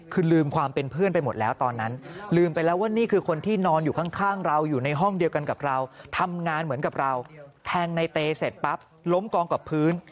คือลืมความเป็นเพื่อนไปหมดแล้วตอนนั้น